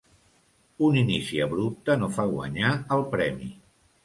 Un inici abrupte no fa guanyar el premi.